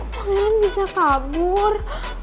pangeran bisa kabur